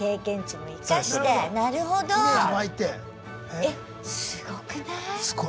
えっすごくない？